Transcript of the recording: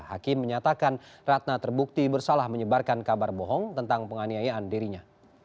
hakim menyatakan ratna terbukti bersalah menyebarkan kabar bohong tentang penganiayaan dirinya